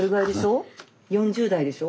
４０代でしょ？